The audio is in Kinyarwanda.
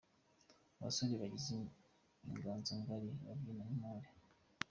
Abasore bagize Inganzo Ngari babyina nk’Intore.